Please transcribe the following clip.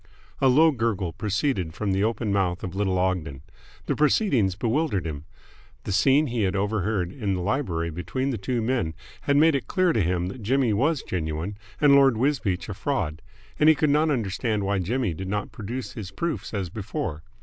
A low gurgle proceeded from the open mouth of little Ogden. The proceedings bewildered him. The scene he had overheard in the library between the two men had made it clear to him that Jimmy was genuine and Lord Wisbeach a fraud, and he could not understand why Jimmy did not produce his proofs as before.